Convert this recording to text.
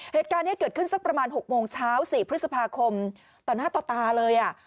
เหตุการณ์นี้เกิดขึ้นสักประมาณ๖โมงเช้า๔พฤษภาคมต่อหน้าต่อตาเลย